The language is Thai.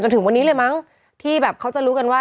ถึงวันนี้เลยมั้งที่แบบเขาจะรู้กันว่า